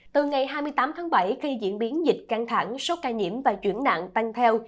từ ngày hai mươi tám tháng bảy khi diễn biến dịch căng thẳng số ca nhiễm và chuyển nặng tăng theo